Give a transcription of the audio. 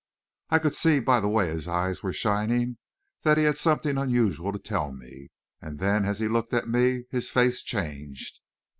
I could see by the way his eyes were shining that he had something unusual to tell me; and then, as he looked at me, his face changed.